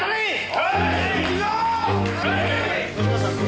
はい！